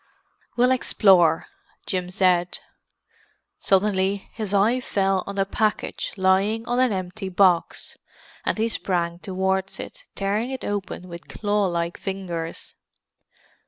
"We'll explore," Jim said. Suddenly his eye fell on a package lying on an empty box, and he sprang towards it, tearing it open with claw like fingers.